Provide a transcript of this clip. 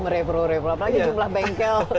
merevolu repro apalagi jumlah bengkel